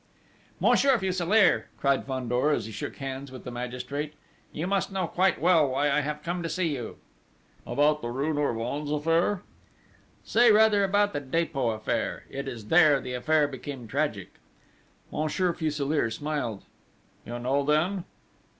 "Monsieur Fuselier," cried Fandor as he shook hands with the magistrate, "you must know quite well why I have come to see you!" "About the rue Norvins affair?" "Say rather about the Dépôt affair! It is there the affair became tragic." Monsieur Fuselier smiled: "You know then?"